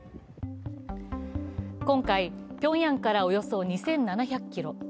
今回、ピョンヤンからおよそ２７００ｋｍ。